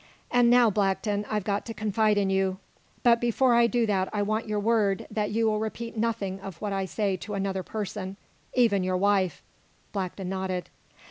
And now, Blackton, I've got to confide in you. But before I do that I want your word that you will repeat nothing of what I say to another person even your wife." Blackton nodded.